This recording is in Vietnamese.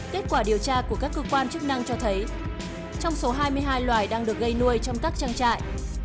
kết quả điều tra của các cơ quan chức năng cho thấy trong số hai mươi hai loài đang được gây nuôi trong các trang trại